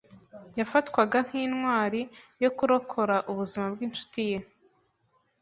Yafatwaga nkintwari yo kurokora ubuzima bwinshuti ye.